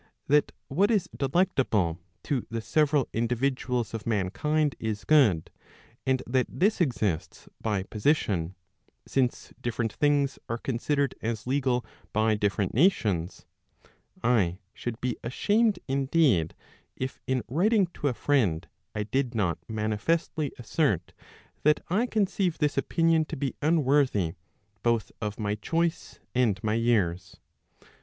that what is delectable to the several individuals of mankind is good, and that this exists by position, since different things are considered as legal by different nations; I should be ashamed indeed, if in writing to a friend I did not manifestly assert that I conceive this opinion to be unworthy both of my choice arid my years.